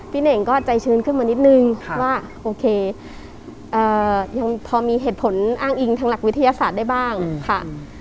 เน่งก็ใจชื้นขึ้นมานิดนึงว่าโอเคยังพอมีเหตุผลอ้างอิงทางหลักวิทยาศาสตร์ได้บ้างค่ะ